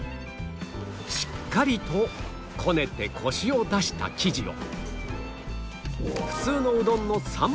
しっかりとこねてコシを出した生地を